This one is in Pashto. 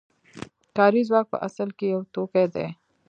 کاري ځواک په اصل کې یو توکی دی